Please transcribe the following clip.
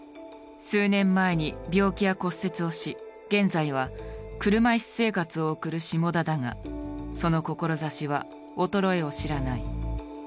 数年前に病気や骨折をし現在は車椅子生活を送る志茂田だがその志は衰えを知らない。